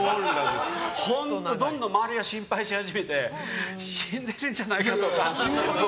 本当にどんどん周りが心配し始めて死んでるんじゃないかとか。